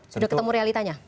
sudah ketemu realitanya